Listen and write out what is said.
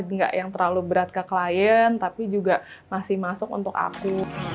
nggak yang terlalu berat ke klien tapi juga masih masuk untuk aku